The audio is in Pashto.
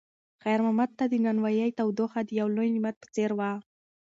خیر محمد ته د نانوایۍ تودوخه د یو لوی نعمت په څېر وه.